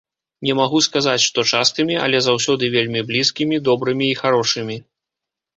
Не магу сказаць, што частымі, але заўсёды вельмі блізкімі, добрымі і харошымі.